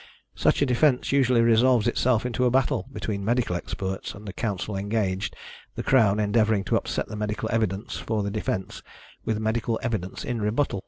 Such a defence usually resolves itself into a battle between medical experts and the counsel engaged, the Crown endeavouring to upset the medical evidence for the defence with medical evidence in rebuttal.